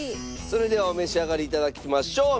それではお召し上がり頂きましょう。